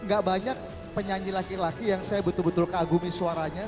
gak banyak penyanyi laki laki yang saya betul betul kagumi suaranya